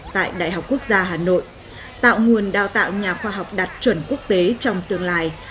tại đại học quốc gia hà nội tạo nguồn đào tạo nhà khoa học đạt chuẩn quốc tế trong tương lai